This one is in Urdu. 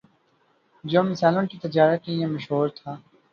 جو مسالوں کی تجارت کے لیے مشہور تھا